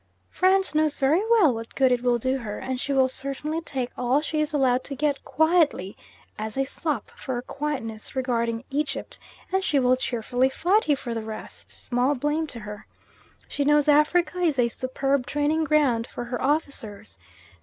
France knows very well what good it will do her, and she will cheerfully take all she is allowed to get quietly, as a sop for her quietness regarding Egypt, and she will cheerfully fight you for the rest small blame to her. She knows Africa is a superb training ground for her officers.